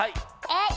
えっ？